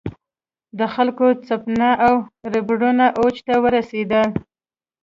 د خلکو ځپنه او ربړونه اوج ته ورسېدل.